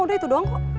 udah itu doang kok